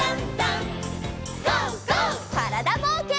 からだぼうけん。